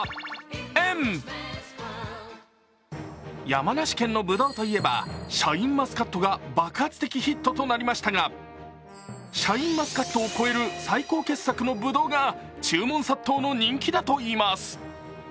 山梨県のブドウといえばシャインマスカットが爆発的ヒットとなりましたが、シャインマスカットを超える最高傑作のブドウが注文殺到の人気だといいます。